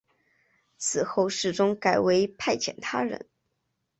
此后世宗改为派遣他人。